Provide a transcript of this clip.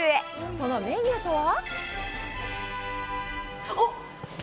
そのメニューとは？